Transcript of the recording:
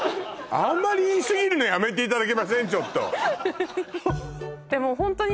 あんまり言いすぎるのやめていただけません？